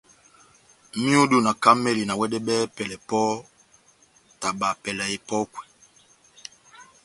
Myudu na kamɛli na wɛdɛbɛhɛni pɛlɛ pɔhɔ́, taba pɛlɛ epɔ́kwɛ.